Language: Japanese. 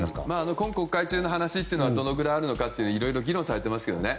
今国会中の話というのがどれぐらいあるのかはいろいろ議論されていますね。